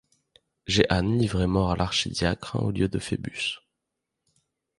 Jehan livré mort à l’archidiacre au lieu de Phébus.